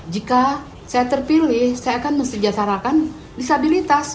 jika saya terpilih saya akan mensejahsarakan disabilitas